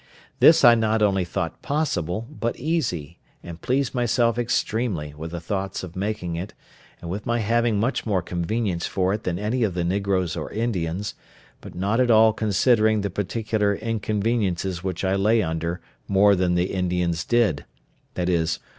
This I not only thought possible, but easy, and pleased myself extremely with the thoughts of making it, and with my having much more convenience for it than any of the negroes or Indians; but not at all considering the particular inconveniences which I lay under more than the Indians did—viz.